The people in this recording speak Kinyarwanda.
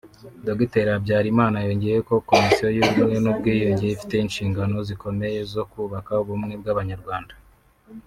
Dr Habyarimana yongeyeho ko Komisiyo y’Ubumwe n’Ubwiyunge ifite inshinganno zikomeye zo kubaka ubumwe bw’Abanyarwanda